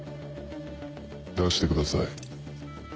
出してください。